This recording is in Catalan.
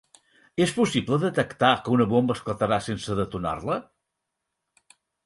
És possible detectar que una bomba esclatarà sense detonar-la?